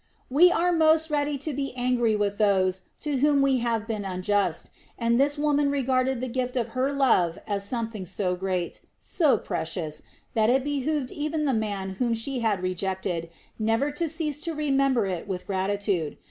We are most ready to be angry with those to whom we have been unjust, and this woman regarded the gift of her love as something so great, so precious, that it behooved even the man whom she had rejected never to cease to remember it with gratitude.